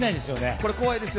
これ怖いですよ。